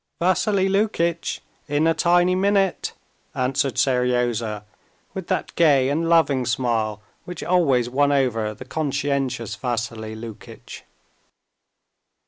"Vassily Lukitch, in a tiny minute!" answered Seryozha with that gay and loving smile which always won over the conscientious Vassily Lukitch.